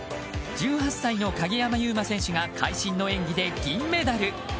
１８歳の鍵山優真選手が会心の演技で銀メダル。